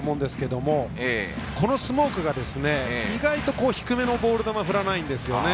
このスモークが意外と低めのボール振らないんですね